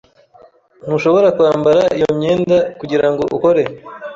Ntushobora kwambara iyo myenda kugirango ukore.